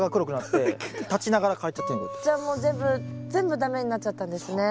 じゃあもう全部全部駄目になっちゃったんですね。